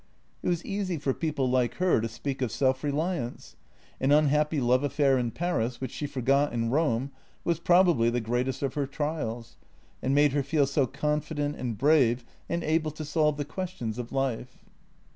It was easy for people like her to speak of self reliance. An unhappy love affair in Paris, which she forgot in Rome, was probably the greatest of her trials, and made her feel so confident and brave and able to solve the ques tions of life.